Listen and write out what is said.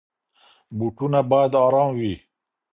بوټونه بايد ارام وي.